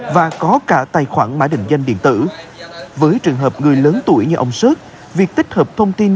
với trường hợp người lớn tuổi như ông sớt việc tích hợp thông tin